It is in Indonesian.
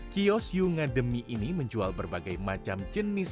kios yunga demi ini menjual berbagai macam jenis